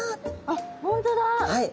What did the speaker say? あっ本当だ。